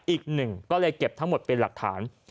อีกหนึ่งก็เลยเก็บทั้งหมดเป็นหลักฐาน